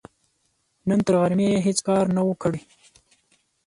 نن تر غرمې يې هيڅ کار نه و، کړی.